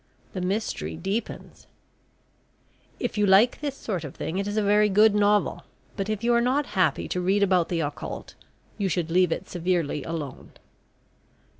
The Mystery deepens. If you like this sort of thing it is a very good novel, but if you are not happy to read about the occult, you should leave it severely alone.